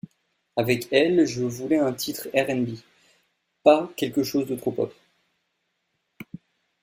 Avec elle, je voulais un titre R&B, pas quelque chose de trop pop.